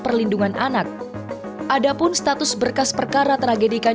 pasal pembunuhan berencana dan pasal perlindungan anak ada pun status berkas perkara tragedikan